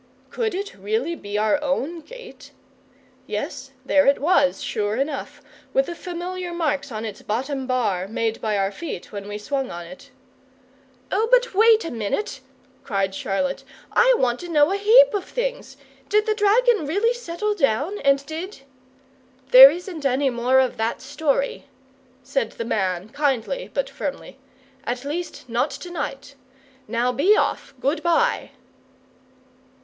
Could it really be our own gate? Yes, there it was, sure enough, with the familiar marks on its bottom bar made by our feet when we swung on it. "Oh, but wait a minute!" cried Charlotte. "I want to know a heap of things. Did the dragon really settle down? And did " "There isn't any more of that story," said the man, kindly but firmly. "At least, not to night. Now be off! Good bye!"